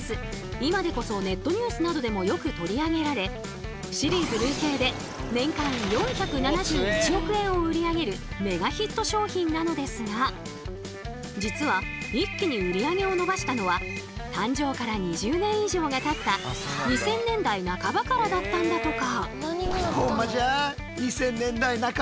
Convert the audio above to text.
今でこそネットニュースなどでもよく取り上げられシリーズ累計で年間４７１億円を売り上げるメガヒット商品なのですが実は一気に売り上げを伸ばしたのは誕生から２０年以上がたった２０００年代半ばからだったんだとか！